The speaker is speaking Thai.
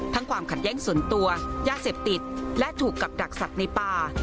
ความขัดแย้งส่วนตัวยาเสพติดและถูกกับดักสัตว์ในป่า